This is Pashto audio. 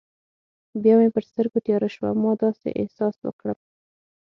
بیا مې پر سترګو تیاره شوه، ما داسې احساس وکړل.